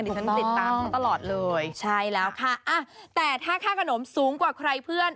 ฉันติดตามเขาตลอดเลยใช่แล้วค่ะอ่ะแต่ถ้าค่าขนมสูงกว่าใครเพื่อน